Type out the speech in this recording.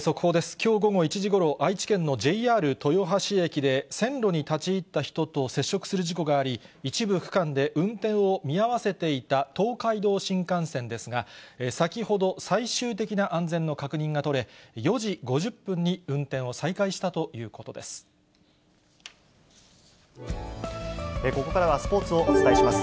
きょう午後１時ごろ、愛知県のＪＲ豊橋駅で、線路に立ち入った人と接触する事故があり、一部区間で運転を見合わせていた東海道新幹線ですが、先ほど最終的な安全の確認が取れ、４時５０分に運転を再開したということです。